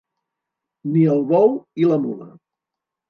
Ni el bou i la mula.